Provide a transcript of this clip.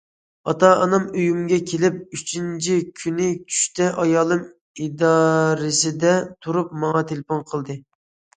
ئاتا- ئانام ئۆيۈمگە كېلىپ ئۈچىنچى كۈنى چۈشتە ئايالىم ئىدارىسىدە تۇرۇپ ماڭا تېلېفون قىلدى.